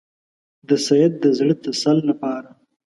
د سید د زړه تسل لپاره.